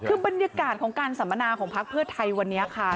คือบรรยากาศของการสัมมนาของพักเพื่อไทยวันนี้ค่ะ